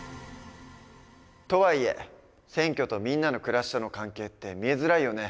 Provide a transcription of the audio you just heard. とはいえ選挙とみんなの暮らしとの関係って見えづらいよね。